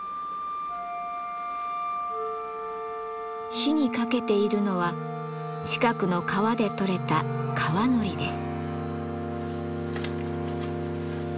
火にかけているのは近くの川で採れた川海苔です。